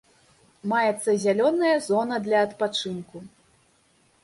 Маецца зялёная зона для адпачынку.